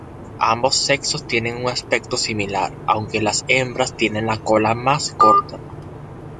Ambos sexos tienen un aspecto similar, aunque las hembras tienen la cola más corta.